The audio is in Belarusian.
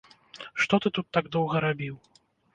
Што ты тут так доўга рабіў?